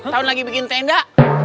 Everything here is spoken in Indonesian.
tahun lagi bikin tenda